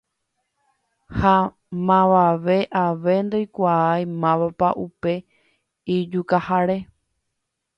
ha mavave ave ndoikuaái mávapa upe ijukahare.